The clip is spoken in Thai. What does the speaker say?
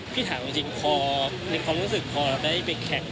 ในความรู้สึกพอเราได้ไปแข่ง